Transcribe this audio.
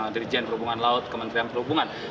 dirjen perhubungan laut kementerian perhubungan